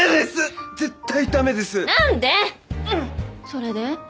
それで？